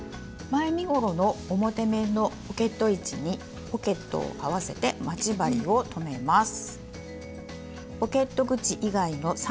前身ごろの表面のポケット位置にポケットを合わせて待ち針を留めます。